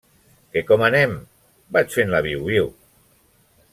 Que com anem? Vaig fent la viu-viu.